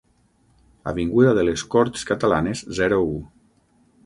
Avinguda de les Corts Catalanes zero u.